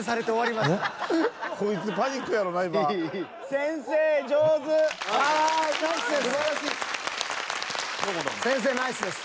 先生ナイスです。